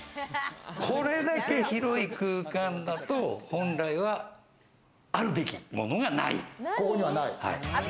これだけ広い空間だと本来はあるべきものがない。